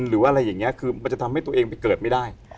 หรืออะไรอย่างนี้คือมันจะทำให้ตัวเองไปเกิดไม่ได้